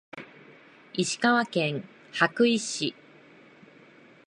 石川県羽咋市